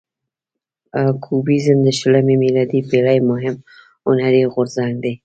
کوبیزم د شلمې میلادي پیړۍ مهم هنري غورځنګ دی.